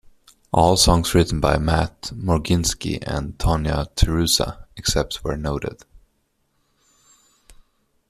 All songs written by Matt Morginsky and Tony Terusa, except where noted.